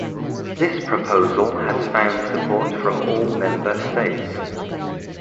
This proposal has found support from all Member States.